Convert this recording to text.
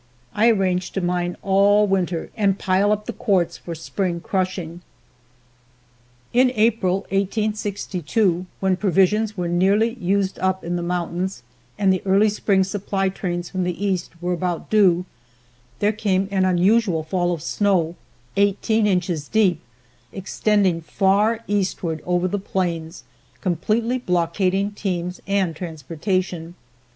I arranged to mine all winter and pile up the quartz for spring crushing. In April, 1862, when provisions were nearly used up in the mountains and the early spring supply trains from the East were about due, there came an unusual fall of snow, eighteen inches deep, extending far eastward over the plains, completely blockading teams and transportation.